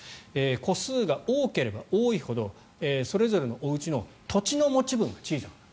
戸数が多ければ多いほどそれぞれのおうちの土地の持ち分が小さくなる。